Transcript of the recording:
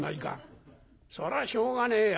「そりゃしょうがねえや。